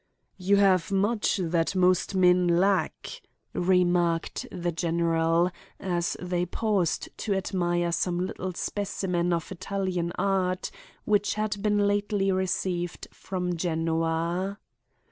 "'You have much that most men lack,' remarked the general, as they paused to admire some little specimen of Italian art which had been lately received from Genoa.